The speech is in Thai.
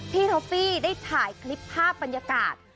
ท็อฟฟี่ได้ถ่ายคลิปภาพบรรยากาศ